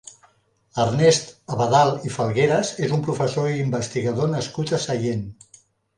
Ernest Abadal i Falgueras és un professor i investigador nascut a Sallent.